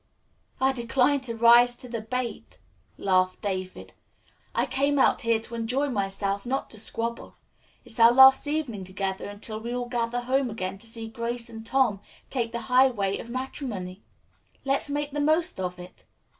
"I decline to rise to the bait," laughed David. "I came out here to enjoy myself; not to squabble. It's our last evening together until we all gather home again to see Grace and Tom take the highway of matrimony. Let's make the most of it."